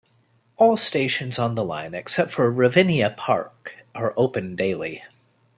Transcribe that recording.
All stations on the line except for Ravinia Park are open daily.